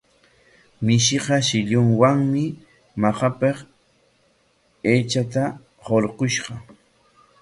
Mishiqa shillunwami makapik aychata hurqushqa.